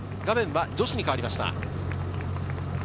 画面は女子に変わりました。